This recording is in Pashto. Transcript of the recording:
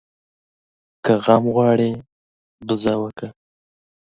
که غم غواړې ، بزه وکه.